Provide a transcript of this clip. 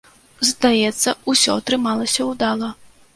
Здаецца, усё атрымалася ўдала.